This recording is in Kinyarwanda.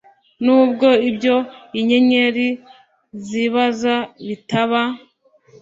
nubwo ibyo inyenyeri zibaza bitaba